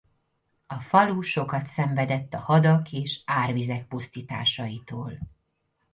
A falu sokat szenvedett a hadak és árvizek pusztításaitól.